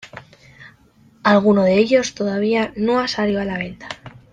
Alguno de ellos todavía no han salido a la venta.